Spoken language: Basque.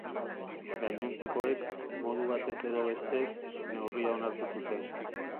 Gainontzekoek, modu batez edo bestez, neurria onartu zuten.